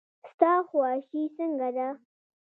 ستا خواشي څنګه ده.